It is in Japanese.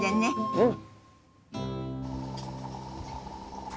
うん！